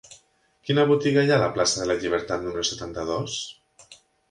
Quina botiga hi ha a la plaça de la Llibertat número setanta-dos?